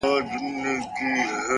د کوڅې ورو تګ د فکر سرعت کموي